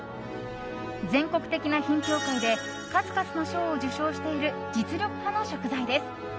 全国的な品評会で数々の賞を受賞している実力派の食材です。